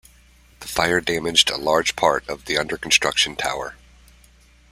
The fire damaged a large part of the under-construction tower.